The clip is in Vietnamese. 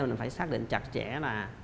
mình phải xác định chặt chẽ là